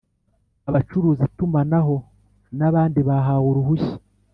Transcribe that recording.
Abacuruza itumanaho n abandi bahawe uruhushya